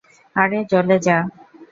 আরে, জ্বলে যা!